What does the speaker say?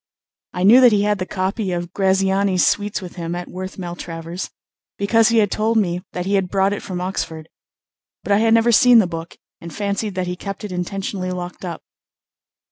I knew that he had the copy of Graziani's suites with him at Worth Maltravers, because he had told me that he had brought it from Oxford; but I had never seen the book, and fancied that he kept it intentionally locked up.